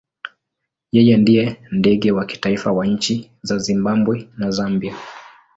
Yeye ndiye ndege wa kitaifa wa nchi za Zimbabwe na Zambia.